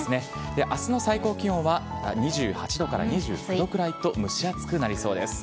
あすの最高気温は２８度から２９度くらいと、蒸し暑くなりそうです。